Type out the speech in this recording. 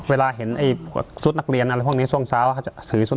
เวลาเห็นไอสุดนักเรียนอะไรพวกนี้ส่วงซ้าวถือสุด